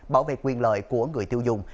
bảo vệ quyền lợi của người tiêu dùng